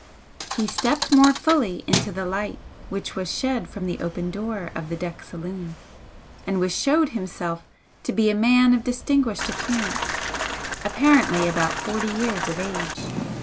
He stepped more fully into the light which was shed from the open door of the deck saloon, and showed himself to be a man of distinguished appearance, apparently about forty years of age.